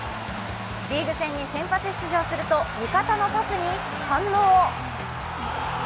リーグ戦に先発出場すると味方のパスに反応。